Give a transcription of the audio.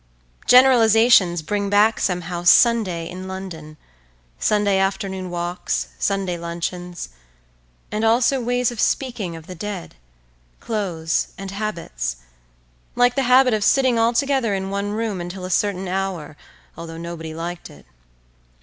Generalizations bring back somehow Sunday in London, Sunday afternoon walks, Sunday luncheons, and also ways of speaking of the dead, clothes, and habits—like the habit of sitting all together in one room until a certain hour, although nobody liked it.